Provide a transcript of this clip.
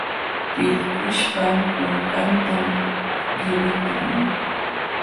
Pillkuśhpa kunkantam qiwiqlun.